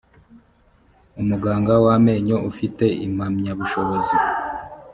umuganga w amenyo ufite impamyabushobozi